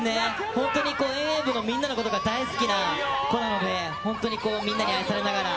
本当に遠泳部のみんなのことが大好きな子なので、本当にみんなに愛されながら、